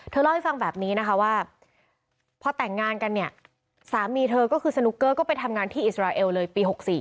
เล่าให้ฟังแบบนี้นะคะว่าพอแต่งงานกันเนี่ยสามีเธอก็คือสนุกเกอร์ก็ไปทำงานที่อิสราเอลเลยปี๖๔